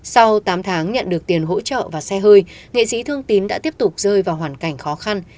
sau tám tháng nhận được tiền hỗ trợ và xe hơi nghệ sĩ thương tín đã tiếp tục rơi vào hoàn cảnh khó khăn